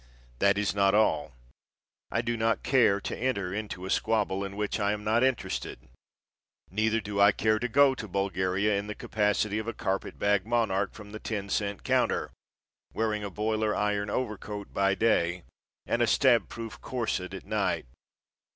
That is not all. I do not care to enter into a squabble in which I am not interested. Neither do I care to go to Bulgaria in the capacity of a carpet bag monarch from the ten cent counter, wearing a boiler iron overcoat by day and a stab proof corset at night.